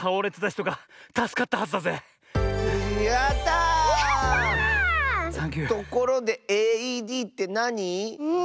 ところでＡＥＤってなに？